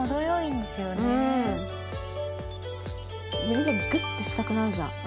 指でグッてしたくなるじゃん。